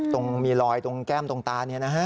ตรงมีรอยตรงแก้มตรงตานี่นะฮะ